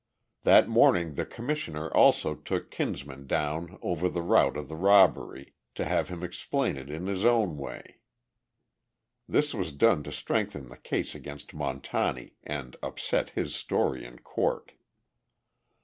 That morning the Commissioner also took Kinsman down over the route of the robbery, to have him explain it in his own way. This was done to strengthen the case against Montani, and upset his story in court.